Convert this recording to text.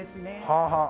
はあはあ。